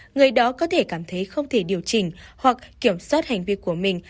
người đó có thể cảm thấy không thể điều chỉnh hoặc kiểm soát hành vi của mình